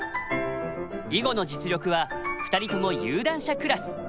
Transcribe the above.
囲碁の実力は２人とも有段者クラス。